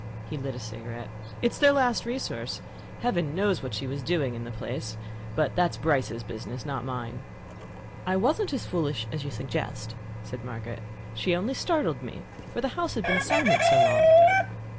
He lit a cigarette. "It is their last resource. Heaven knows what she was doing in the place; but that's Bryce's business, not mine." "I wasn't as foolish as you suggest," said Margaret. "She only startled me, for the house had been silent so long."